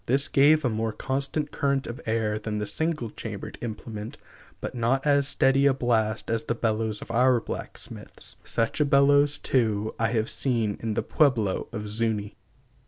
This gave a more constant current of air than the single chambered implement, but not as steady a blast as the bellows of our blacksmiths. Such a bellows, too, I have seen in the Pueblo of Zu├▒i.